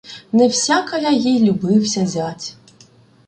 Не всякая їй любився зять.